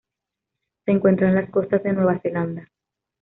Se encuentran en las costas de Nueva Zelanda.